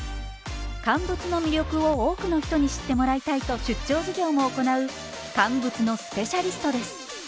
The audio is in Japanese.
乾物の魅力を多くの人に知ってもらいたいと出張授業も行う乾物のスペシャリストです。